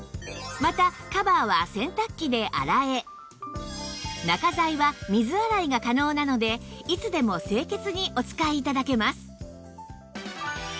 またカバーは洗濯機で洗え中材は水洗いが可能なのでいつでも清潔にお使い頂けます